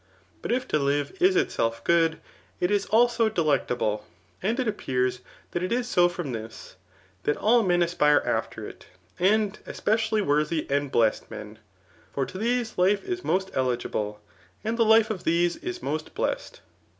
But if to live is itself good, it is also delectable. And it appears that it is so from this, that all men aspire after it, and especially wor thy and blessed men ; for to these life is most eligible, and die life of these is most blessed.